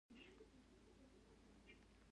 خو دا واقعیت د خیال یوه بڼه ده.